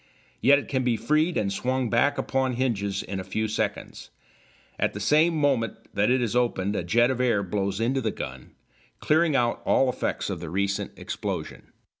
Yet it can be freed and swung back upon hinges in a few seconds. At the same moment that it is opened a jet of air blows into the gun, clearing out all effects of the recent explosion.